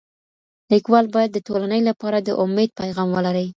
ليکوال بايد د ټولني لپاره د اميد پيغام ولري.